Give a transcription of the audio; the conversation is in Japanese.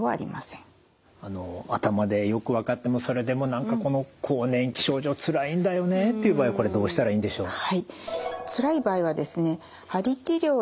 頭でよく分かってもそれでも何かこの更年期症状つらいんだよねっていう場合はこれどうしたらいいんでしょう。